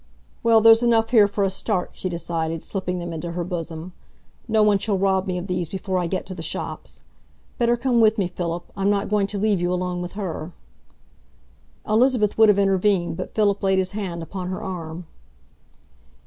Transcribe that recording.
"Well, there's enough here for a start," she decided, slipping them into her bosom. "No one shall rob me of these before I get to the shops. Better come with me, Philip. I'm not going to leave you alone with her." Elizabeth would have intervened, but Philip laid his hand upon her arm.